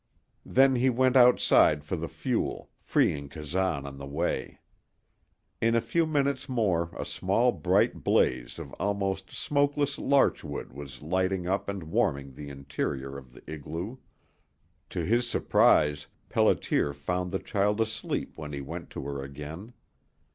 Then he went outside for the fuel, freeing Kazan on the way. In a few minutes more a small bright blaze of almost smokeless larchwood was lighting up and warming the interior of the igloo. To his surprise, Pelliter found the child asleep when he went to her again.